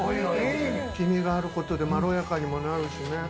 黄身があることでまろやかにもなるしね。